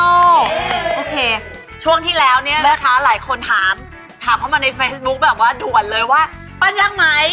โอเคช่วงที่แล้วเนี่ยนะคะหลายคนถามถามเข้ามาในเฟซบุ๊คแบบว่าด่วนเลยว่าปั้นยากไหม